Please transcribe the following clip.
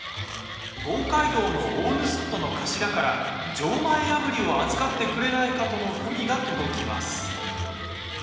東海道の大盗人の頭から錠前破りを預かってくれないかとの文が届きます。